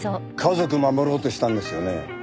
家族守ろうとしたんですよね？